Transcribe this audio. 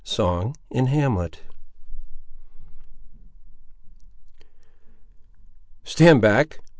—Song in Hamlet. "Stand back!